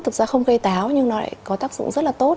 thực ra không gây táo nhưng nó lại có tác dụng rất là tốt